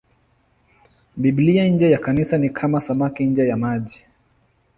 Biblia nje ya Kanisa ni kama samaki nje ya maji.